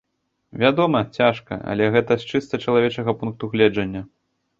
Вядома, цяжка, але гэта з чыста чалавечага пункту гледжання.